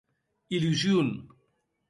Illusion!